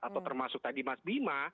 atau termasuk tadi mas bima